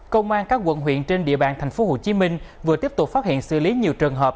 công an các quận huyện trên địa bàn tp hcm vừa tiếp tục phát hiện xử lý nhiều trường hợp